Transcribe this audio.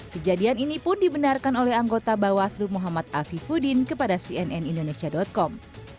kejadian ini pun dibenarkan oleh anggota bawaslu muhammad afifudin kepada cnn indonesia com